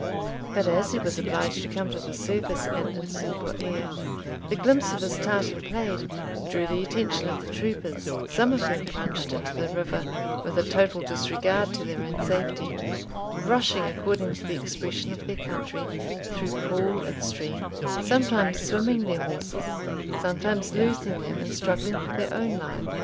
But as he was obliged to come to the surface an instant for air, the glimpse of his tartan plaid drew the attention of the troopers, some of whom plunged into the river, with a total disregard to their own safety, rushing, according to the expression of their country, through pool and stream, sometimes swimming their horses, sometimes losing them and struggling for their own lives.